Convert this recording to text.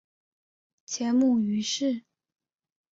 前母俞氏。